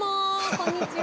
こんにちは。